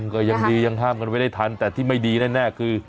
ก็ยังดียังห้ามกันไว้ได้ทันแต่ที่ไม่ดีแน่คือ